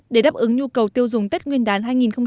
để đáp ứng nhu cầu tiêu dùng tết nguyên đán hai nghìn một mươi bảy